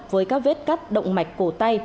với các vết cắt động mạch cổ tay